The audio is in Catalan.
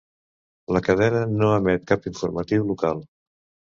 La cadena no emet cap informatiu local.